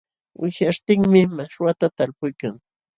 Wishyaśhtinmi mashwata talpuykan.